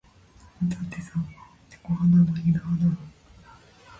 あなたってさ、猫派なの。犬派なの。